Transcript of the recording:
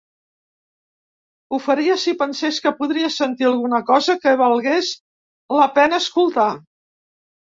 Ho faria si pensés que podria sentir alguna cosa que valgués la pena escoltar.